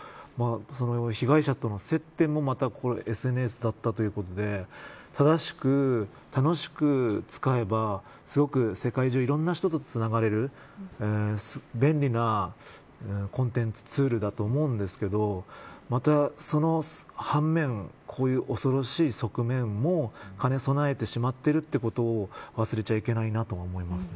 被害者との接点もＳＮＳだったということで正しく、楽しく使えばすごく、世界中のいろんな人つながれる便利なコンテンツツールだと思うんですけどその反面こういう恐ろしい側面も兼ね備えてしまっているということを忘れてはいけないと思います。